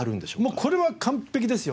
もうこれは完璧ですよね。